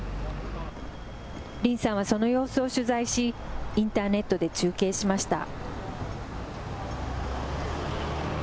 林さんはその様子を取材し、インターネットで中継しました。